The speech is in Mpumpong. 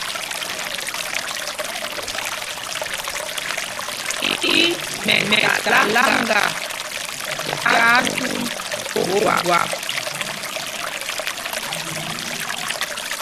Í Mɛsaláŋga tyaa tūnd ɓɛ̌ Ogwâp.